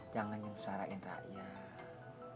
jangan mengesahkan rakyat